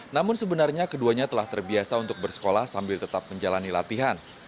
namun sebenarnya keduanya telah terbiasa untuk bersekolah sambil tetap menjalani latihan